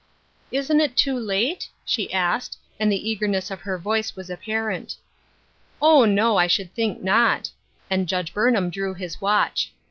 " Isn't it too late ?" she asked, and the eager ness in her voice was apparent. " Oh, no, I should think not," and Judge Burnham drew his watch.